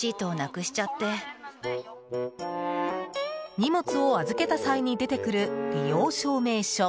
荷物を預けた際に出てくる利用証明書。